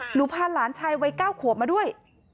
พาหลานชายวัย๙ขวบมาด้วย